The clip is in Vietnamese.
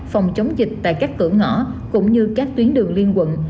phòng chống dịch tại các cửa ngõ cũng như các tuyến đường liên quận